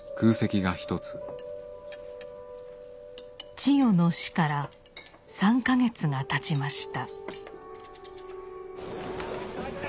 千代の死から３か月がたちました。